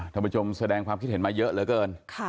ท่านผู้ชมแสดงความคิดเห็นมาเยอะเหลือเกิน